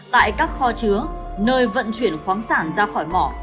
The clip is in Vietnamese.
tại các kho chứa nơi vận chuyển khoáng sản ra khỏi mỏ